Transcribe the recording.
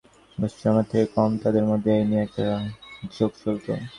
অবশ্যই আমার থেকে কম, তাদের মধ্যে এই নিয়ে একটা জোক চলত।